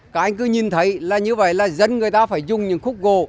các anh cứ nhìn thấy là như vậy là dân người ta phải dùng những khúc gồ